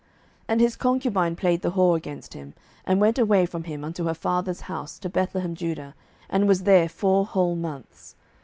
07:019:002 And his concubine played the whore against him, and went away from him unto her father's house to Bethlehemjudah, and was there four whole months.